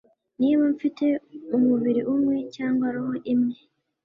Niba mfite umubiri umwe cyangwa roho imwe